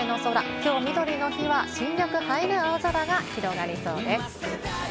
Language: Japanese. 今日、みどりの日は新緑映える青空が広がりそうです。